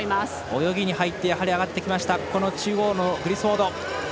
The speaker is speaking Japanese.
泳ぎに入ってやはり上がってきたこの中央のグリスウォード。